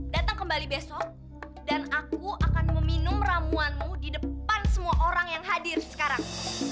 datang kembali besok dan aku akan meminum ramuanmu di depan semua orang yang hadir sekarang